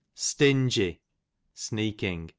Stingy, sneaking.